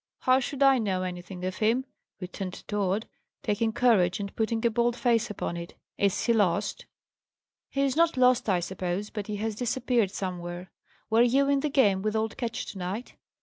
how should I know anything of him?" returned Tod, taking courage, and putting a bold face upon it. "Is he lost?" "He is not lost, I suppose; but he has disappeared somewhere. Were you in the game with old Ketch, to night?"